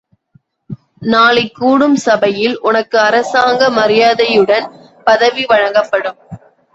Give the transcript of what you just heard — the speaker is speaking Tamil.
நாளைக் கூடும் சபையில், உனக்கு அரசாங்க மரியாதையுடன் பதவி வழங்கப்படும்.